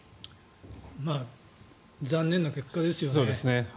残念な結果ですよね。